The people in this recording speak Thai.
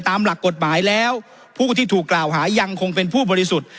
ตามหลักกฎหมายแล้วผู้ที่ถูกกล่าวหายังคงเป็นผู้บริสุทธิ์